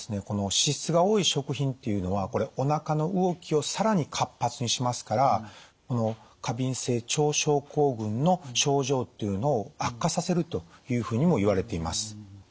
この脂質が多い食品っていうのはこれおなかの動きを更に活発にしますから過敏性腸症候群の症状っていうのを悪化させるというふうにもいわれています。